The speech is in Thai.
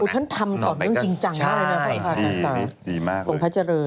อุ๊ยท่านทำก่อนเรื่องจริงจังได้นะพระอาทิตย์พระอาจารย์